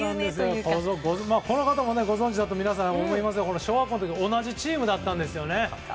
これもご存じかと思いますが小学校の時に同じチームだったんですね。